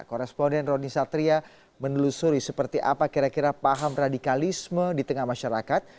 koresponden roni satria menelusuri seperti apa kira kira paham radikalisme di tengah masyarakat